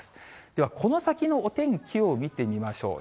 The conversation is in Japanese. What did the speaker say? ではこの先のお天気を見てみましょう。